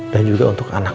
dan juga untuk anak